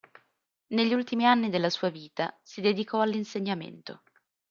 Negli ultimi anni della sua vita si dedicò all'insegnamento.